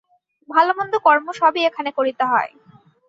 ভাল-মন্দ কর্ম সবই এখানে করিতে হয়।